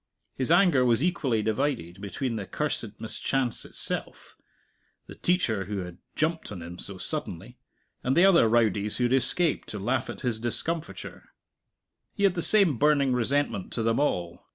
His anger was equally divided between the cursed mischance itself, the teacher who had "jumped" on him so suddenly, and the other rowdies who had escaped to laugh at his discomfiture; he had the same burning resentment to them all.